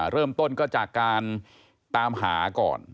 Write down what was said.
เริ่มต้นก็จากการตามหาก่อน